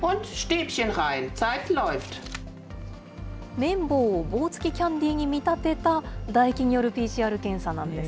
綿棒を棒付きキャンディーに見立てた唾液によるＰＣＲ検査なんです。